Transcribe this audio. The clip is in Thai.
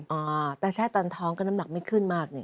ขอบคุมแต่ใช่ตอนท้องคืนน้ำหนักไม่ขึ้นมาก